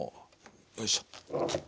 よいしょ。